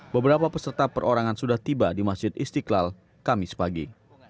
beberapa peserta perorangan sudah tiba di masjid istiqlal kamis pagi